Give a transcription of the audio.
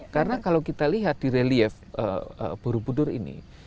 karena kalau kita lihat di relief borobudur ini